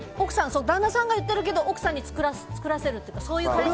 旦那さんが言ってるけど奥さんに作らせる。